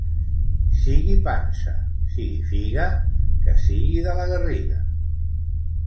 Sigui pansa, sigui figa, que sigui de la Garriga.